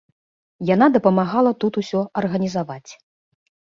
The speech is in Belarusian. Яна дапамагла тут усё арганізаваць.